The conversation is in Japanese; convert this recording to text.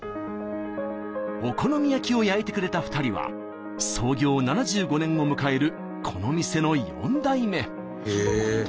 お好み焼きを焼いてくれた２人は創業７５年を迎えるこの店の４代目。